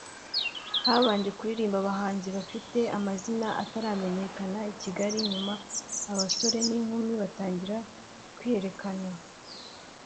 habanje kuririmba abahanzi bafite amazina ataramenyekana i Kigali nyuma abasore n’inkumi batangira kwiyerekana